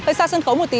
hơi xa sân khấu một tí